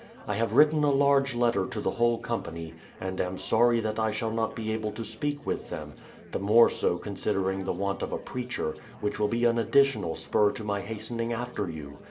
I have written a large letter to the whole company, and cim sorry that I shall not be able to speak with them; the more so considering the want of a preacher, which will be an additional spur to my hastening after you.